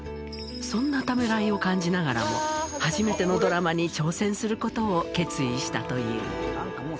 そんなためらいを感じながらも、初めてのドラマに挑戦することを決意したという。